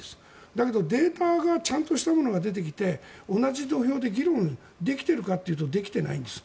だけどデータがちゃんとしたものが出てきて同じ土俵で議論できているかというとできてないんです。